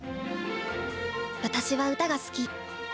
私は歌が好き。